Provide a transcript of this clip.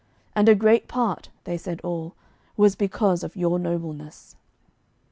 And a great part," they said all, "was because of your nobleness."